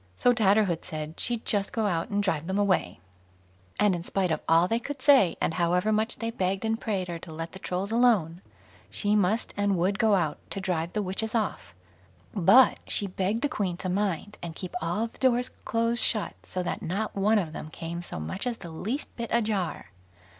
So Tatterhood said she'd just go out and drive them away; and in spite of all they could say, and however much they begged and prayed her to let the Trolls alone, she must and would go out to drive the witches off; but she begged the Queen to mind and keep all the doors close shut, so that not one of them came so much as the least bit ajar.